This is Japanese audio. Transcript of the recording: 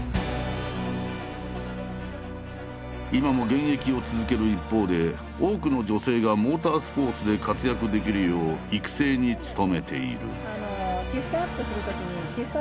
今も現役を続ける一方で多くの女性がモータースポーツで活躍できるよう育成に努めている。